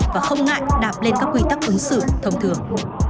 và không ngại đạp lên các quy tắc ứng xử thông thường